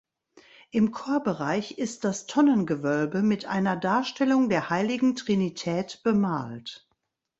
Im Chorbereich ist das Tonnengewölbe mit einer Darstellung der heiligen Trinität bemalt.